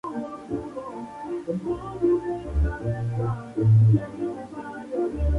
Stars están trabajando actualmente en su quinto álbum de larga duración.